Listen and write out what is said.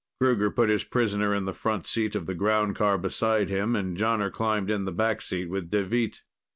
Kruger put his prisoner in the front seat of the groundcar beside him, and Jonner climbed in the back seat with Deveet.